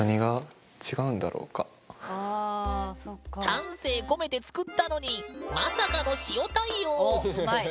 丹精込めて作ったのにまさかの「塩」対応おっうまい！